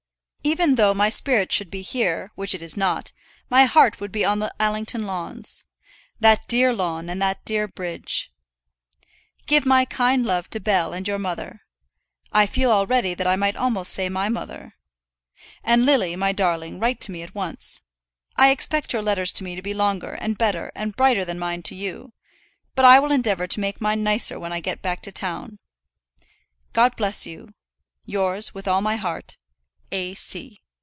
Even though my spirit should be here, which it is not, my heart would be on the Allington lawns. That dear lawn and that dear bridge! Give my kind love to Bell and your mother. I feel already that I might almost say my mother. And Lily, my darling, write to me at once. I expect your letters to me to be longer, and better, and brighter than mine to you. But I will endeavour to make mine nicer when I get back to town. God bless you. Yours, with all my heart, A.